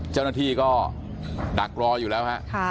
เจ้าหน้าที่ก็ดักรออยู่แล้วฮะ